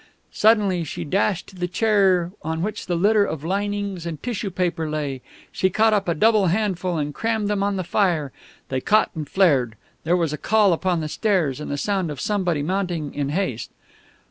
Suddenly she dashed to the chair on which the litter of linings and tissue paper lay. She caught up a double handful and crammed them on the fire. They caught and flared. There was a call upon the stairs, and the sound of somebody mounting in haste.